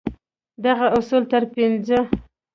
دغه اصول تر پينځه سوه د ډېرو شتمنو کسانو تجربې دي.